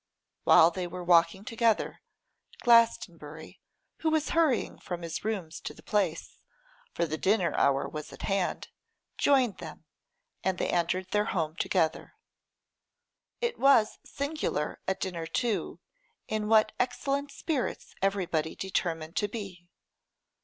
While they were walking together, Glastonbury, who was hurrying from his rooms to the Place, for the dinner hour was at hand, joined them, and they entered their home together. It was singular at dinner, too, in what excellent spirits everybody determined to be.